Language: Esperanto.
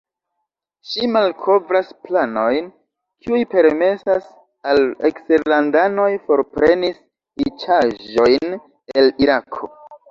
Ŝi malkovras planojn, kiuj permesas al eksterlandanoj forprenis riĉaĵojn el Irako.